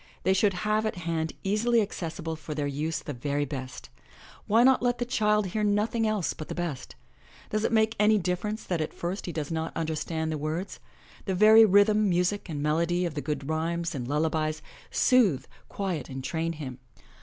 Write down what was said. They should have at hand easily accessible for their use the very best. Why not let the child hear nothing else but the best? Does it make any difference that 214 THE LATCH KEY at first he does not understand the words? The very rhythm, music and melody of the good rhymes and lullabies soothe, quiet and train him.